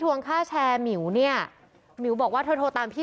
คุณพ่อคุณว่าไง